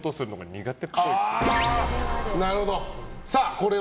苦手？